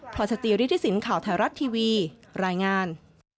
พศติริฐิสินทร์ข่าวไทยรัฐทีวีรายงาน